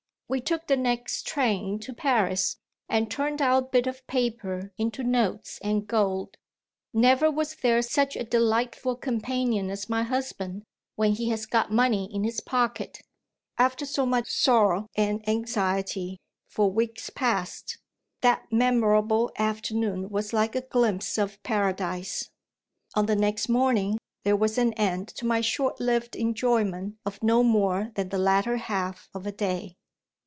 We took the next train to Paris, and turned our bit of paper into notes and gold. Never was there such a delightful companion as my husband, when he has got money in his pocket. After so much sorrow and anxiety, for weeks past, that memorable afternoon was like a glimpse of Paradise. On the next morning, there was an end to my short lived enjoyment of no more than the latter half of a day.